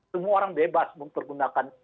semua orang bebas mempergunakan